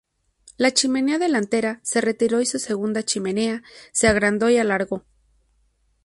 La chimenea delantera se retiró y su segunda chimenea se agrandó y alargó.